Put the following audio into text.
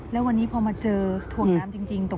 แล้ววันนี้พอมาเจอถ่วงน้ำจริง